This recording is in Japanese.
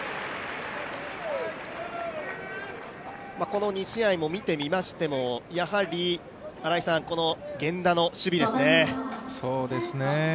この２試合も見てみましてもやはり源田の守備ですね。